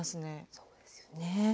そうですよね。